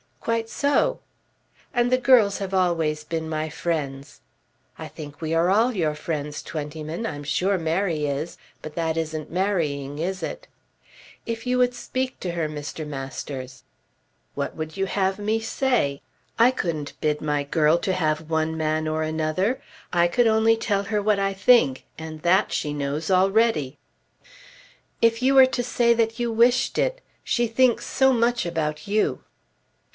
"Quite so." "And the girls have always been my friends." "I think we are all your friends, Twentyman. I'm sure Mary is. But that isn't marrying; is it?" "If you would speak to her, Mr. Masters." "What would you have me say? I couldn't bid my girl to have one man or another. I could only tell her what I think, and that she knows already." "If you were to say that you wished it! She thinks so much about you."